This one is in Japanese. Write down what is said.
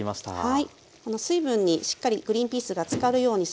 はい。